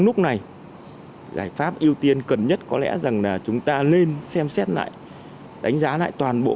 lúc này giải pháp ưu tiên cần nhất có lẽ rằng là chúng ta nên xem xét lại đánh giá lại toàn bộ